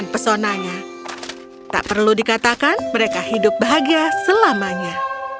tidak perlu dikatakan mereka hidup bahagia selamanya